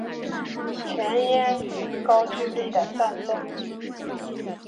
前燕与高句丽的战争